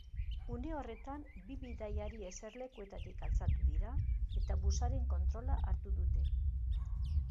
Une horretan, bi bidaiari eserlekuetatik altxatu dira eta busaren kontrola hartu dute.